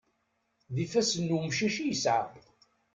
D ifassen n wemcic i yesɛa.